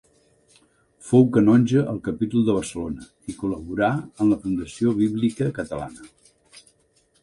Fou canonge al capítol de Barcelona i col·laborà en la Fundació Bíblica Catalana.